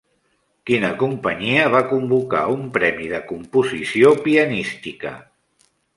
Quina companyia va convocar un premi de composició pianística?